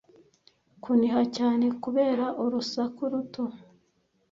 kuniha cyane kubera urusaku ruto